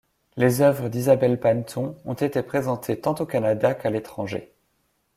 Les œuvres d'Isabelle Panneton ont été présentées tant au Canada qu'à l'étranger.